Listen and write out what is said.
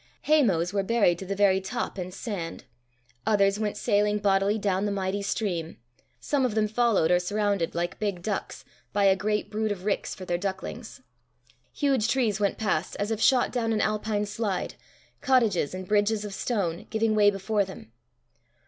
Haymows were buried to the very top in sand; others went sailing bodily down the mighty stream some of them followed or surrounded, like big ducks, by a great brood of ricks for their ducklings. Huge trees went past as if shot down an Alpine slide, cottages, and bridges of stone, giving way before them.